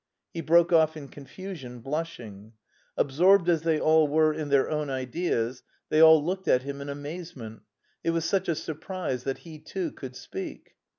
He broke off in confusion, blushing. Absorbed as they all were in their own ideas, they all looked at him in amazement it was such a surprise that he too could speak.